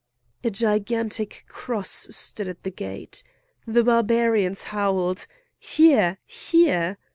A gigantic cross stood at the gate. The Barbarians howled: "Here! here!"